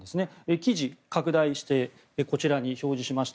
記事、拡大してこちらに表示しました。